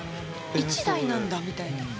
１台なんだみたいな。